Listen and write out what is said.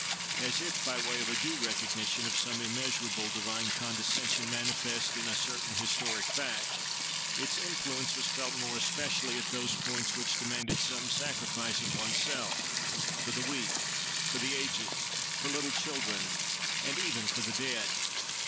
As if by way of a due recognition of some immeasurable divine condescension manifest in a certain historic fact, its influence was felt more especially at those points which demanded some sacrifice of one's self, for the weak, for the aged, for little children, and even for the dead.